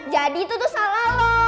jadi itu tuh salah lo